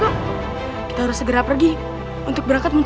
bukan dia terus ia menempelkan